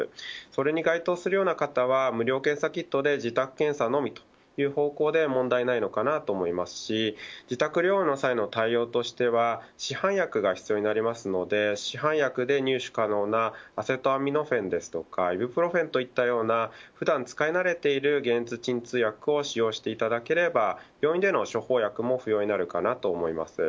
それに該当するような方は無料検査キットで自宅検査のみという方向で問題ないのかなと思いますし自宅療養の際の対応としては市販薬が必要になりますので市販薬で入手可能なアセトアミノフェンですとかイブプロフェンといった普段使い慣れている解熱、鎮痛薬を使用していただければ病院での処方薬も不要になるかなと思います。